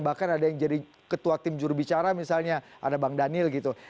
bahkan ada yang jadi ketua tim jurubicara misalnya ada bang daniel gitu